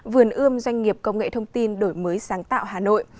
vườn ươm doanh nghiệp công nghệ thông tin đổi mới sáng tạo hà nội